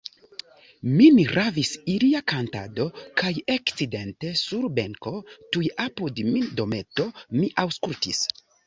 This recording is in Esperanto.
Min ravis ilia kantado, kaj eksidinte sur benko tuj apud mia dometo, mi aŭskultis.